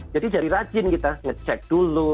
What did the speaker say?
jadi jadi rajin kita ngecek dulu